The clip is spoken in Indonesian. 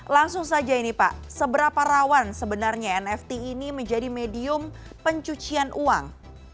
langsung saja ini pak seberapa rawan sebenarnya nft ini menjadi medium pencucian uang